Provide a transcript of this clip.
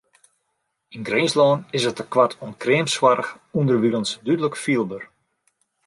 Yn Grinslân is it tekoart oan kreamsoarch ûnderwilens dúdlik fielber.